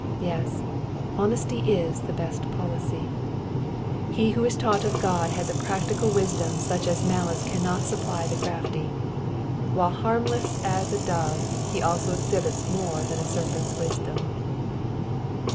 Yes, '' honesty is the best policy.'^ He who is taught of God has a practical wisdom such as malice cannot supply to the crafty ; while harmless as a dove he also exhibits more than a serpent's wisdom.